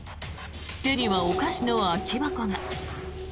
手にはお菓子の空き箱が。